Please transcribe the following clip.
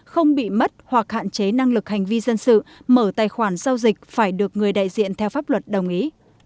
không bị mất hoặc hạn chế năng lực hành vi dân sự mở tài khoản giao dịch phải được người đại diện theo pháp luật đồng ý